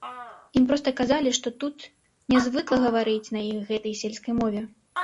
Ім проста казалі, што тут нязвыкла гаварыць на іх гэтай сельскай мове.